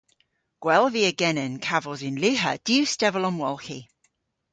Gwell via genen kavos yn lyha diw stevel omwolghi.